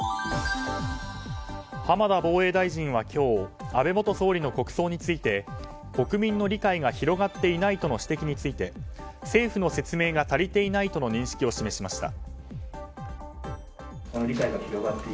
浜田防衛大臣は今日安倍元総理の国葬について国民の理解が広がっていないとの指摘について政府の説明が足りていないとの認識を示しました。